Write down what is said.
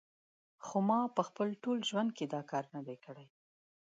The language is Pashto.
خو ما په خپل ټول ژوند کې دا کار نه دی کړی